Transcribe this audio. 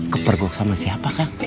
kepergok sama siapa kak